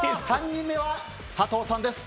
３人目は佐藤さんです。